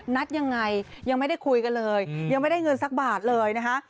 นัดยังไงยังไม่ได้คุยกันเลยยังไม่ได้เงินสักบาทเลยนะคะ